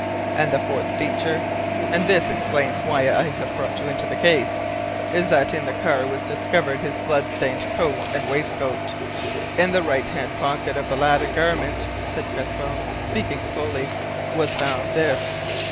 "And the fourth feature and this explains why I have brought you into the case is that in the car was discovered his bloodstained coat and waistcoat. In the right hand pocket of the latter garment," said Cresswell, speaking slowly, "was found this."